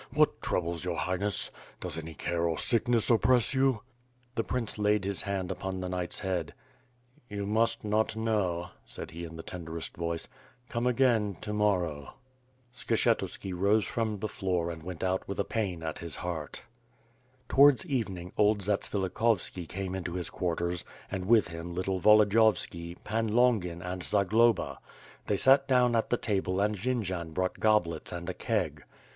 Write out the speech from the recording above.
What troubles your Highness. Does any oare or sickness oppress you." The prince laid his hand upon the knight's head: "You must not know," said he in the tenderest voice, "come again to morrow." Skshefliski rose from the floor and went out with a pain at his heart. Towards evening, old Zatsvilikhovski came into his quar ters, and with him, little Volodiyovski, Pan Longin and Za globa. They sat down at the table and Jendzian brought goblets and a keg.